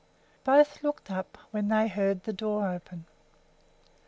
Both looked up when they heard the door open.